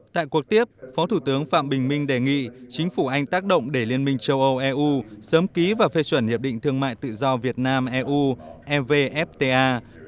tại cuộc tiếp phó thủ tướng phạm bình minh đề nghị chính phủ anh tác động để liên minh châu âu eu sớm ký và phê chuẩn hiệp định thương mại tự do việt nam eu evfta